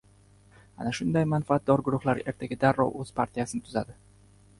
Ana shunday manfaatdor guruhlar ertaga darrov o‘z partiyasini tuzadi.